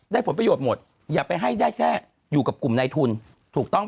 ผลประโยชน์หมดอย่าไปให้ได้แค่อยู่กับกลุ่มในทุนถูกต้อง